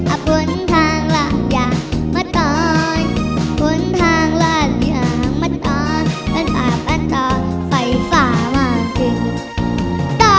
อาวุธทางละอย่างมะตอนอาวุธทางละอย่างมะตอนมันเผ่าประตอไฟฝามากจริง